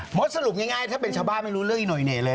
หมดสรุปง่ายถ้าเป็นชาวบ้าไม่รู้เรื่องนี้หน่อยเลย